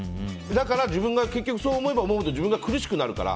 だから自分がそう思えば思うほど自分が苦しくなるから。